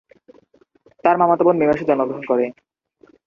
তার মামাতো বোন মে মাসে জন্মগ্রহণ করে।